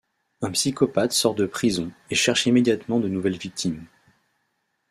Un psychopathe sort de prison et cherche immédiatement de nouvelles victimes.